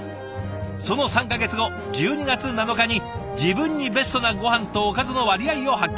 その３か月後１２月７日に自分にベストなごはんとおかずの割合を発見。